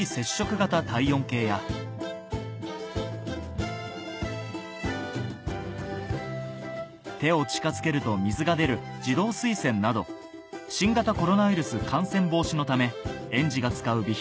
型体温計や手を近づけると水が出る自動水栓など新型コロナウイルス感染防止のため園児が使う備品